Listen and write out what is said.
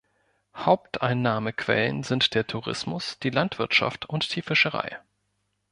Haupteinnahmequellen sind der Tourismus, die Landwirtschaft und die Fischerei.